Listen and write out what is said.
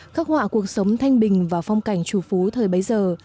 khắc họa cuộc sống thanh bình và phong cảnh chủ phú thời bấy giờ